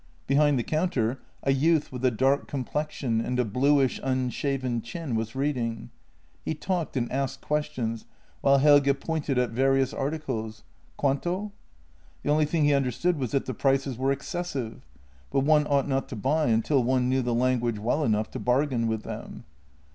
Behind the counter a youth with a dark complexion and a bluish, unshaven chin was reading. He talked and asked ques tions while Helge pointed at various articles, " Quanto ?" The only thing he understood was that the prices were excessive, but one ought not to buy until one knew the language well enough to bargain with them.